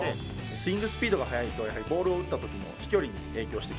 スイングスピードが速いとやはりボールを打った時の飛距離に影響してきます。